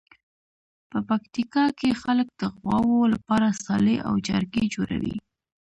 په پکتیکا کې خلک د غواوو لپاره څالې او جارګې جوړوي.